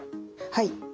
はい。